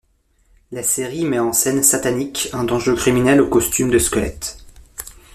La série met en scène Satanik, un dangereux criminel au costume de squelette.